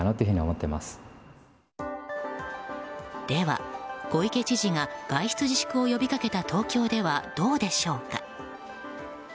では、小池知事が外出自粛を呼びかけた東京ではどうでしょうか？